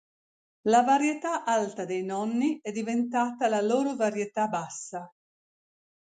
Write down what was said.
La varietà alta dei nonni è diventata la loro varietà bassa.